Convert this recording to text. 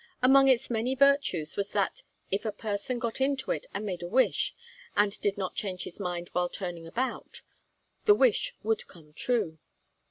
Among its many virtues was that if a person got into it and made a wish, and did not change his mind while turning about, the wish would come true.